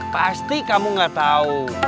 pasti kamu gak tau